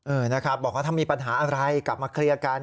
เออนะครับบอกว่าถ้ามีปัญหาอะไรกลับมาเคลียร์กัน